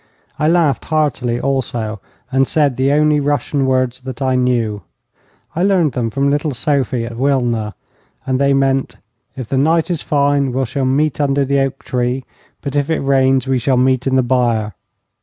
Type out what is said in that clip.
I laughed heartily also, and said the only Russian words that I knew. I learned them from little Sophie, at Wilna, and they meant: 'If the night is fine we shall meet under the oak tree, but if it rains we shall meet in the byre.'